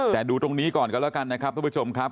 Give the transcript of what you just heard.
แต่ดูตรงนี้ก่อนกันแล้วกันนะครับทุกผู้ชมครับ